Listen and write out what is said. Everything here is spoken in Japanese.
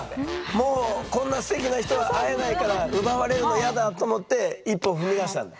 もうこんなステキな人は会えないから奪われるのイヤだと思って一歩踏み出したんだ！